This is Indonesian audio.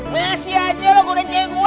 masih aja lo gudain cewek gua